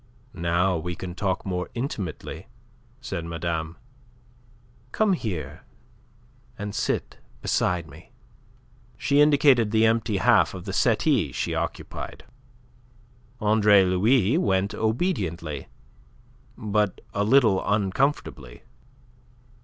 "Now we can talk more intimately," said madame. "Come here, and sit beside me." She indicated the empty half of the settee she occupied. Andre Louis went obediently, but a little uncomfortably.